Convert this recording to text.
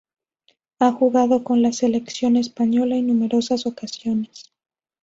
Ha jugado con la selección española en numerosas ocasiones.